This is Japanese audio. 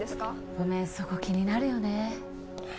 ごめんそこ気になるよね